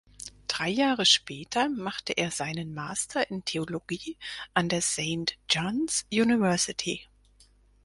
Drei Jahre später machte er seinen Master in Theologie an der Saint John’s University.